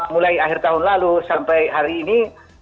mulai akhir tahun lalu sampai hari ini